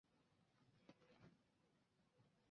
后徙苏州花山。